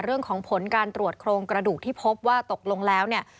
เรื่องของผลการตรวจโครงกระดูกที่พบว่าตกลงแล้วเนี่ย